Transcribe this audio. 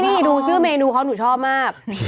นี่ดูชื่อเมนูเขาหนูชอบมาก